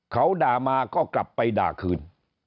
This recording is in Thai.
เขาด่ามาก็กลับไปด่าคืน